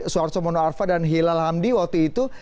suharto mono arfa dan hilal hamdi waktu itu